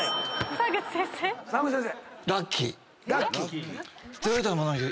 澤口先生。